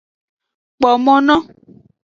Kpo mo no.